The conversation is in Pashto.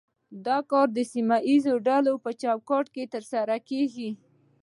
دا کار د سیمه ایزې ډلې په چوکاټ کې ترسره کیږي